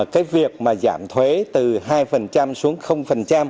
cái việc mà giảm thuế từ hai xuống